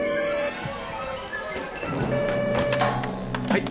はい。